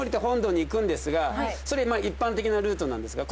それ一般的なルートなんですが。